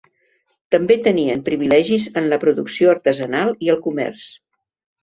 També tenien privilegis en la producció artesanal i el comerç.